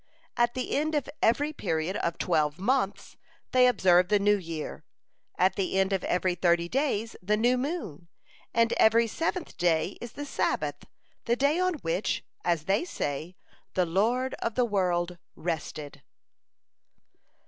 At the end of every period of twelve months, they observe the New Year, at the end of every thirty days the New Moon, and every seventh day is the Sabbath, the day on which, as they say, the Lord of the world rested."